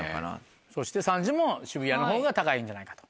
そして３時も渋谷の方が高いんじゃないかと。